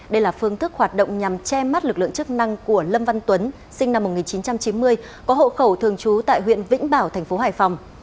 đây là phương thức hoạt động nhằm che mắt lực lượng chức năng của lâm văn tuấn sinh năm một nghìn chín trăm chín mươi có hộ khẩu thường trú tại huyện vĩnh bảo thành phố hải phòng